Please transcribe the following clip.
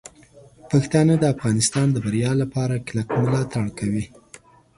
پښتانه د افغانستان د بریا لپاره کلک ملاتړ کوي.